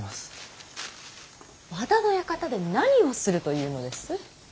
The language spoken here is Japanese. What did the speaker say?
和田の館で何をするというのです。